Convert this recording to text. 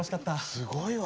すごいわ。